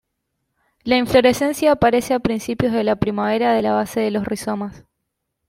La inflorescencia aparece a principios de la primavera de la base de los rizomas.